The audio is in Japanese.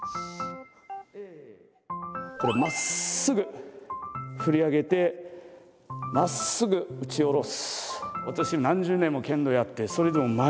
これまっすぐ振り上げてまっすぐ打ち下ろす。